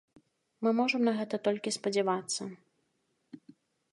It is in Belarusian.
Мы можам на гэта толькі спадзявацца.